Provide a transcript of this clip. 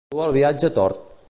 Dur el viatge tort.